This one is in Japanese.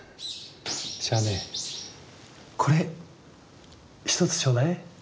じゃあねこれ一つちょうだい。